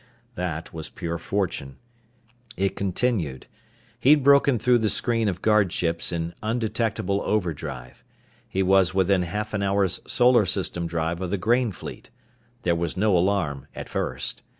That was pure fortune. It continued. He'd broken through the screen of guard ships in undetectable overdrive. He was within half an hour's solar system drive of the grain fleet. There was no alarm, at first.